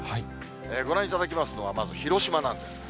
ご覧いただきますのは、まず広島なんです。